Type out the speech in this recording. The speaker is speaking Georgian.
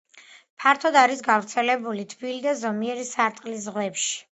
ფართოდ არის გავრცელებული თბილი და ზომიერი სარტყლის ზღვებში.